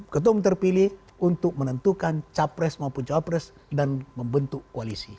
ketum terpilih untuk menentukan capres maupun cawapres dan membentuk koalisi